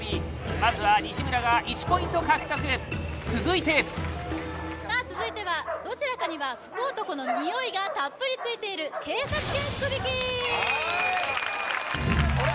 まずは西村が１ポイント獲得続いて続いてはどちらかには福男のにおいがたっぷりついているはーい